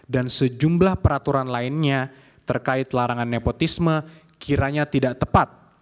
dan sejumlah peraturan lainnya terkait larangan nepotisme kiranya tidak tepat